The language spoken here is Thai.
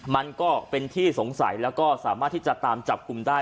มันก็เป็นที่สงสัยแล้วก็สามารถที่จะตามจับกลุ่มได้